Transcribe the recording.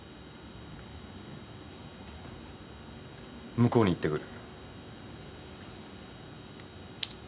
向こうに行ってくる。